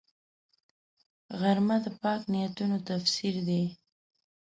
غرمه د پاک نیتونو تفسیر دی